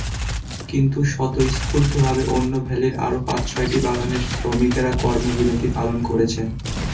কিন্তু স্বতঃস্ফূর্তভাবে অন্য ভ্যালির আরও পাঁচ-ছয়টি বাগানের শ্রমিকেরা কর্মবিরতি পালন করেছেন।